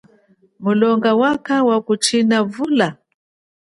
Mulonga wakha akuchina vula?